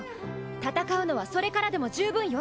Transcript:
戦うのはそれからでも十分よ。